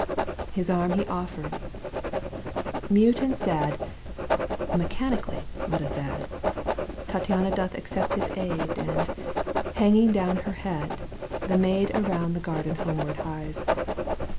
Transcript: His arm he offers. Mute and sad {Mechaniecdly, let us add), Tattiana doth accept his aid ; And, hanging down her head, the maid Around the garden homeward hies.